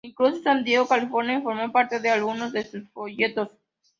Incluso San Diego, California formó parte de algunos de sus folletos.